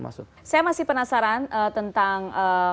saya masih penasaran tentang